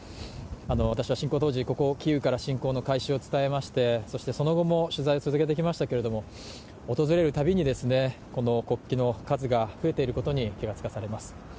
私は侵攻当時、ここキーウから侵攻開始を伝えましてその後も取材を続けてきましたけれども、訪れるたびに、この国旗の数が増えていることに気がつかされます。